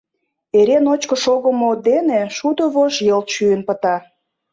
Эре ночко шогымо дене шудо вож йылт шӱйын пыта.